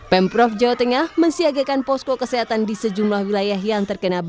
pemprov jawa tengah mensiagakan posko kesehatan di sejumlah wilayah yang terkena banjir